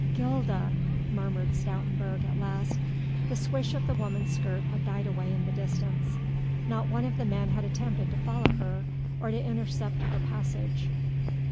"Gilda!" murmured Stoutenburg at last. The swish of the woman's skirt had died away in the distance; not one of the men had attempted to follow her or to intercept her passage.